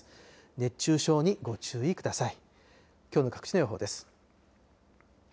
熱中症にご注意ください。